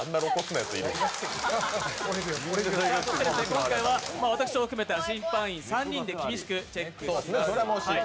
今回は私を含めた審判員３人で厳しくチェックします。